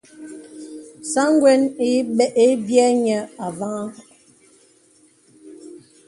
Sāŋ gwə́n ï biə̂ niə avàhàŋ.